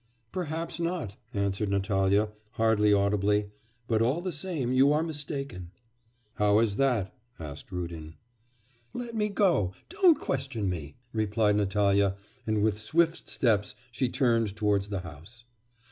'Perhaps not,' answered Natalya, hardly audibly, 'but all the same you are mistaken.' 'How is that?' asked Rudin. 'Let me go! don't question me!' replied Natalya, and with swift steps she turned towards the house.